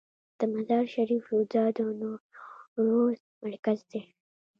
د مزار شریف روضه د نوروز مرکز دی